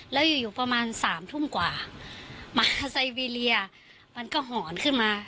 แล้วอยู่อยู่ประมาณสามทุ่มกว่ามาไซวีเรียมันก็หอนขึ้นมา